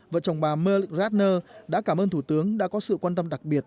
vợ chồng bà merle radner đã cảm ơn thủ tướng đã có sự quan tâm đặc biệt